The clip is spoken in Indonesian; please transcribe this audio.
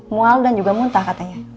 mual dan juga muntah katanya